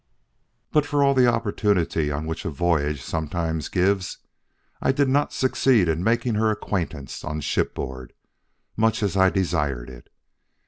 But for all the opportunity which a voyage sometimes gives, I did not succeed in making her acquaintance on shipboard, much as I desired it.